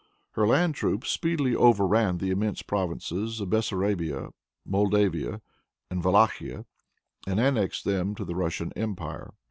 Her land troops speedily overran the immense provinces of Bessarabia, Moldavia and Wallachia, and annexed them to the Russian empire.